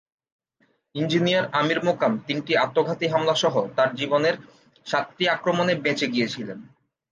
Engineer Amir Mokam তিনটি আত্মঘাতী হামলা সহ তার জীবনের সাতটি আক্রমণে বেঁচে গিয়েছিলেন।